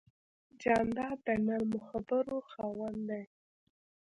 جانداد د نرمو خبرو خاوند دی.